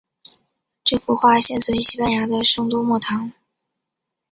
这幅画现存于西班牙的圣多默堂。